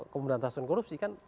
komunitas tahan korupsi kan